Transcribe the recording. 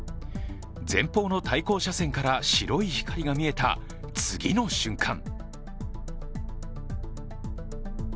前方の対向車線から白い光が見えた、次の瞬間。